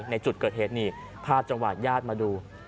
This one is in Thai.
ในจุดเกิดเหตุนี่ภาพจังหวะญาติมาดู